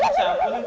mày hiểu không